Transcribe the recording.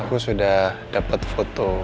aku sudah dapet foto